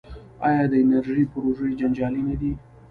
آیا د انرژۍ پروژې جنجالي نه دي؟